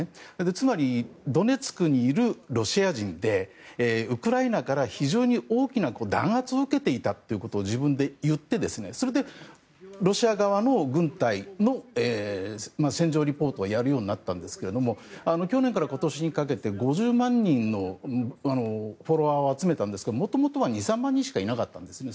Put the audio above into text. つまりドネツクにいるロシア人でウクライナから非常に大きな弾圧を受けていたということを自分で言ってそれでロシア側の軍隊の戦場リポートをやるようになったんですが去年から今年にかけて５０万人のフォロワーを集めたんですけどもともとは２３万人しかいなかったんですね。